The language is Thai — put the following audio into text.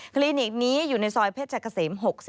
คลีนิกนี้อยู่ในซอยเพศจักรเสม๖๙